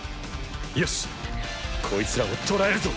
よしコイツらを捕らえるぞ！